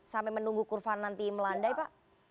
sampai menunggu kurva nanti melandai pak